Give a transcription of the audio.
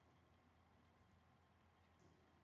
د لاري په سر کښي مه خانده، نورو ته شک پیدا کوې.